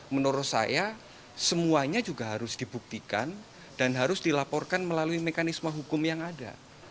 menurut saya semuanya juga harus dibuktikan dan harus dilaporkan melalui mekanisme hukum yang ada